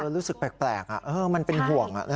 รู้สึกแปลกมันเป็นห่วง